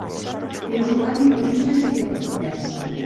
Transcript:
L'usuari rebutja seguir la conversa.